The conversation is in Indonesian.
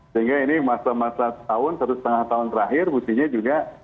sehingga ini masa masa setahun satu setengah tahun terakhir mestinya juga